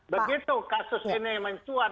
begitu kasus ini mencuat